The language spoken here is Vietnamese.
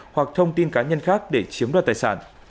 hoặc thông tin cá nhân khác để chiếm đoạt tài sản